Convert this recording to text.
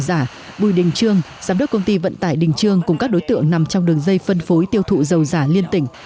giám đốc nhà máy sản xuất dầu giả bùi đình trương giám đốc công ty vận tải đình trương cùng các đối tượng nằm trong đường dây phân phối tiêu thụ dầu giả liên tỉnh